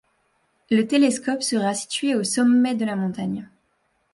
Le télescope sera situé au sommet de la montagne.